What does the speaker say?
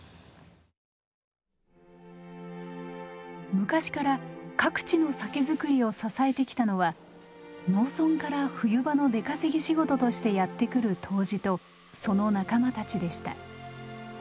昔から各地の酒造りを支えてきたのは農村から冬場の出稼ぎ仕事としてやって来る杜氏とその仲間たちでした。